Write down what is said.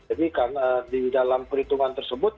jadi kan di dalam perhitungan tersebut